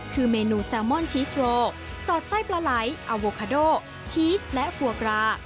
คือเมนูแซลมอนชีสโรสอดไส้ปลาไหล่อโวคาโดชีสและฟัวกรา